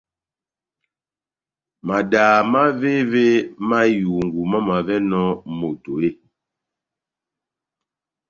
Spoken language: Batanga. Madaha mávévémá ihungu mamavɛnɔni moto eeeh ?